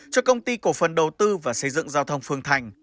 cho công ty cổ phần đầu tư và xây dựng giao thông phương thành